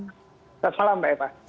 selamat malam mbak epa